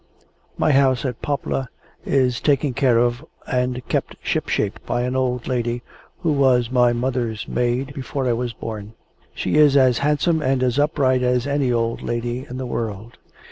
My house at Poplar is taken care of and kept ship shape by an old lady who was my mother's maid before I was born. She is as handsome and as upright as any old lady in the world.